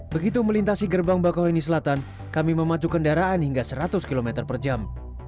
begitu melintasi gerbang bakauheni selatan kami memacu kendaraan hingga seratus km per jam